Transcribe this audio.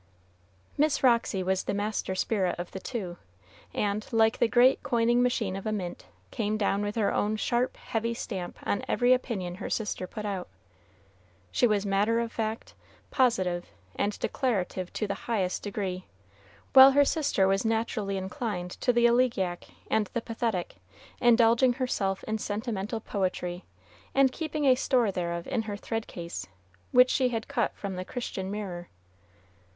Miss Roxy was the master spirit of the two, and, like the great coining machine of a mint, came down with her own sharp, heavy stamp on every opinion her sister put out. She was matter of fact, positive, and declarative to the highest degree, while her sister was naturally inclined to the elegiac and the pathetic, indulging herself in sentimental poetry, and keeping a store thereof in her thread case, which she had cut from the "Christian Mirror."